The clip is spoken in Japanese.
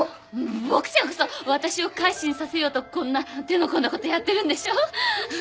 ボクちゃんこそ私を改心させようとこんな手の込んだことやってるんでしょ？